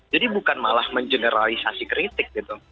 jadi bukan malah mengeneralisasi kritik gitu